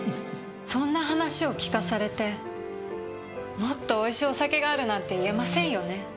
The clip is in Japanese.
そんな話を聞かされてもっと美味しいお酒があるなんて言えませんよね。